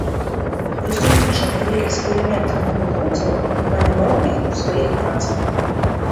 Прысутнічаў пры эксперыментах навукоўцаў і маляваў іх у сваіх працах.